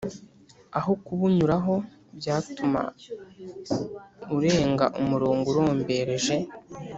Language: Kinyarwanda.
aho kubunyuraho byatuma urenga umurongo urombereje